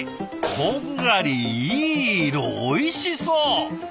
こんがりいい色おいしそう！